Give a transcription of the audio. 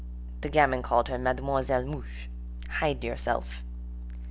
The gamin called her Mademoiselle Muche—"hide yourself."